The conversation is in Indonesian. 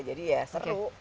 jadi ya seru